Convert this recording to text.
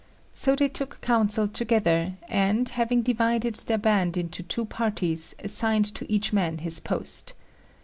So they took counsel together, and, having divided their band into two parties, assigned to each man his post.